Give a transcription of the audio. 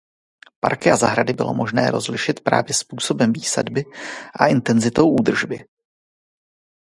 Parky a zahrady bylo možné rozlišit právě způsobem výsadby a intenzitou údržby.